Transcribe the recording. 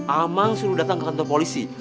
aman suruh datang ke kantor polisi